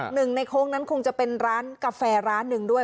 หนึ่งในโค้งนั้นคงจะเป็นร้านกาแฟร้านหนึ่งด้วย